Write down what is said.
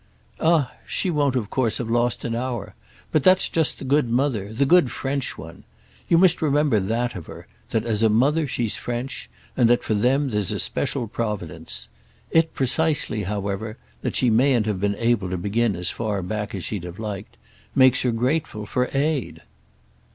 "Ah she won't of course have lost an hour. But that's just the good mother—the good French one. You must remember that of her—that as a mother she's French, and that for them there's a special providence. It precisely however—that she mayn't have been able to begin as far back as she'd have liked—makes her grateful for aid."